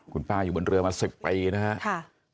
คุณป้าอยู่บนเรือมา๑๐ปีนะครับ